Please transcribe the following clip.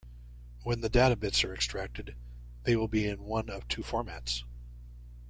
When the data bits are extracted they will be in one of two formats.